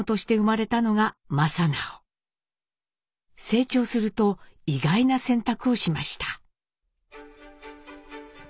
成長すると意外な選択をしました。